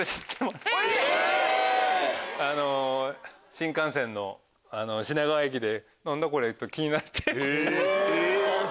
新幹線の品川駅で「何だ？これ」と気になって。